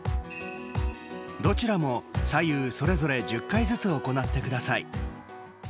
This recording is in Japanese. どちらも、左右それぞれ１０回ずつ行ってください。